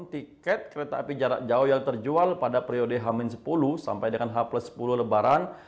tiket kereta api jarak jauh yang terjual pada periode h sepuluh sampai dengan h sepuluh lebaran